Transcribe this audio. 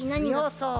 そう。